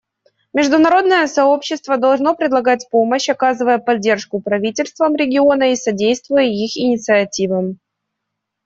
Международное сообщество должно предлагать помощь, оказывая поддержку правительствам региона и содействуя их инициативам.